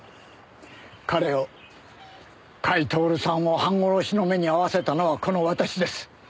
彼を甲斐享さんを半殺しの目に遭わせたのはこの私です。